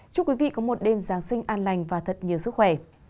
chúc quý vị có một đêm giáng sinh an lành và thật nhiều sức khỏe